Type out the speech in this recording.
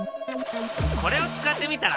これを使ってみたら？